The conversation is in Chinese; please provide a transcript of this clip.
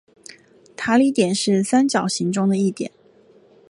塔里点是三角形中的一点。